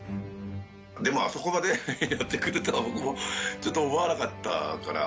でもあそこまでやってくれるとは僕もちょっと思わなかったから。